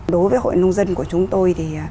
đối với hội nông dân của chúng tôi thì